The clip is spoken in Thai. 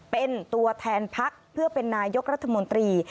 เป็นตัวแทนพักเพื่อเป็นนายกรัฐมนตรี